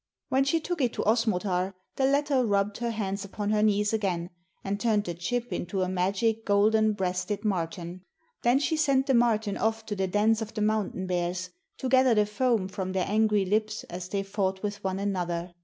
When she took it to Osmotar, the latter rubbed her hands upon her knees again, and turned the chip into a magic golden breasted marten. Then she sent the marten off to the dens of the mountain bears, to gather the foam from their angry lips as they fought with one another.